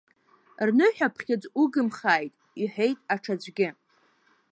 Рныҳәаԥхьыӡ угымхааит, — иҳәеит аҽаӡәгьы.